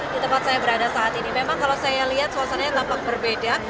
di tempat saya berada saat ini memang kalau saya lihat suasananya tampak berbeda